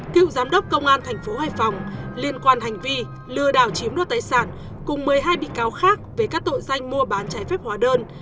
cựu giám đốc công an thành phố hoài phòng liên quan hành vi lừa đảo chiếm đốt tài sản cùng một mươi hai bị cáo khác về các tội danh mua bán trái phép hóa đơn